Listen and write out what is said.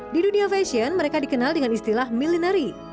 di dunia fashion mereka dikenal dengan istilah millinary